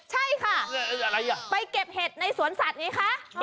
ใช่ค่ะไปเก็บเห็ดในสวนสัตว์ไงคะ